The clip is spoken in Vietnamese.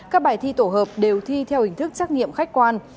các bài thi tổ hợp đều thi theo hình thức trắc nghiệm khách quan